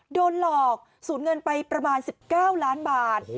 โดนหลอกสูญเงินไปประมาณ๑๙ล้านบาท